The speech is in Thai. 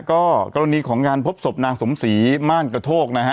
ก็กรณีของงานพบศพนางสมศรีม่านกระโทกนะฮะ